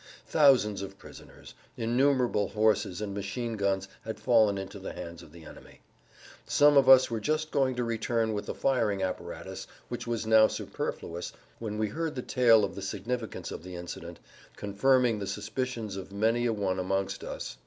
Thousands of prisoners, innumerable horses and machine guns had fallen into the hands of the enemy. Some of us were just going to return with the firing apparatus which was now superfluous when we heard the tale of the significance of the incident, confirming the suspicions of many a one amongst us.